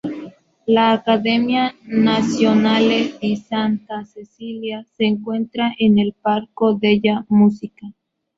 La Accademia Nazionale di Santa Cecilia se encuentra en el Parco della Musica.